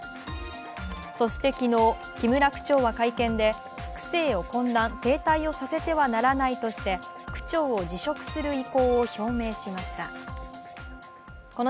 そして昨日、木村区長は会見で区政を混乱、停滞をさせてはならないとして区長を辞職する意向を表明しました。